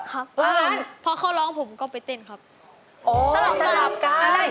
ครับพอเขาร้องผมก็ไปเต้นครับสลับการสลับการอะไร